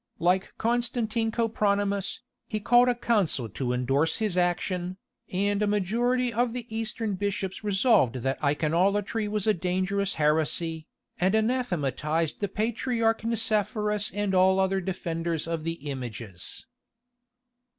Like Constantine Copronymus, he called a council to endorse his action, and a majority of the Eastern bishops resolved that Iconolatry was a dangerous heresy, and anathematized the patriarch Nicephorus and all other defenders of the images.